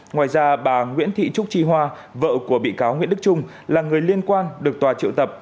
ngoài ra bà nguyễn thị trúc chi hoa vợ của bị cáo nguyễn đức trung là người liên quan được tòa triệu tập